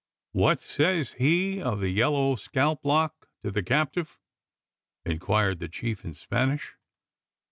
"What says he of the yellow scalp lock to the captive?" inquired the chief in Spanish.